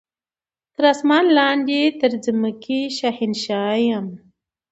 تر اسمان لاندي تر مځکي شهنشاه یم